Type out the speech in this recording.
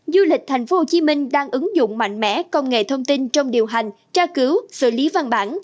du lịch tp hcm đang ứng dụng mạnh mẽ công nghệ thông tin trong điều hành tra cứu xử lý văn bản